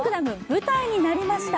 舞台になりました。